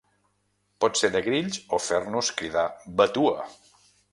Pot ser de grills o fer-nos cridar vatua!